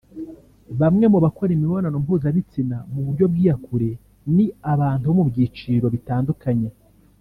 Bamwe mu bakora imibonano mpuzabitsina mu buryo bw’iyakure ni abantu bo mu byiciro bitandukanye